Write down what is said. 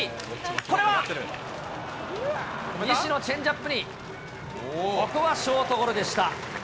これは西のチェンジアップに、ここはショートゴロでした。